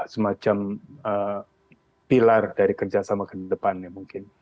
semacam pilar dari kerjasama ke depannya mungkin